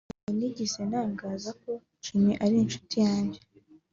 ntabwo nigeze ntangaza ko Jimmy ari incuti yanjye